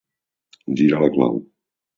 Girar la clau.